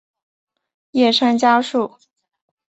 叶山嘉树。